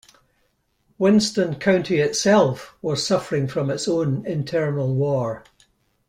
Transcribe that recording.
Winston County itself was suffering from its own internal war.